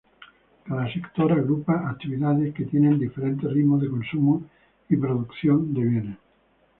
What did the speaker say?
Cada sector agrupa actividades que tienen diferentes ritmos de "consumo" y "producción" de bienes.